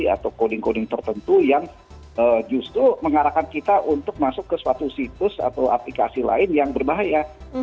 atau coding coding tertentu yang justru mengarahkan kita untuk masuk ke suatu situs atau aplikasi lain yang berbahaya